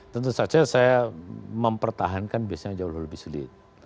tentu saja saya mempertahankan biasanya jauh lebih sulit